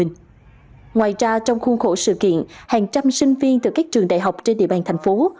ngoài ra trong khuôn khổ sự kiện hàng trăm sinh viên từ các trường đại học trên địa bàn thành phố